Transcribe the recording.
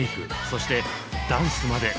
そしてダンスまで。